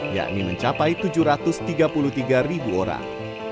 yakni mencapai tujuh ratus tiga puluh tiga ribu orang